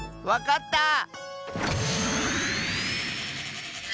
わかった！